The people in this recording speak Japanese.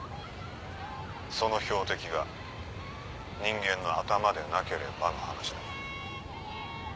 その標的が人間の頭でなければの話だが。